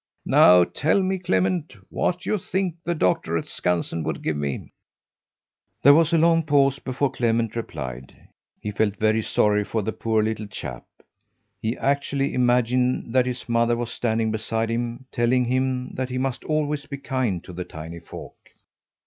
Now tell me, Clement, what you think the doctor at Skansen would give me." There was a long pause before Clement replied. He felt very sorry for the poor little chap. He actually imagined that his mother was standing beside him telling him that he must always be kind to the tiny folk.